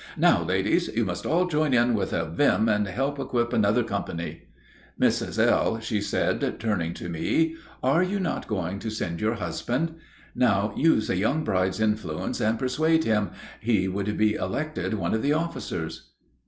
"Now, ladies, you must all join in with a vim and help equip another company." "Mrs. L.," she said, turning to me, "are you not going to send your husband? Now use a young bride's influence and persuade him; he would be elected one of the officers."